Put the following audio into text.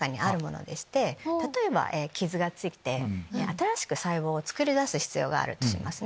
例えば傷がついて新しく細胞を作り出す必要があるとしますね。